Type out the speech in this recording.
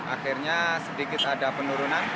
akhirnya sedikit ada penurunan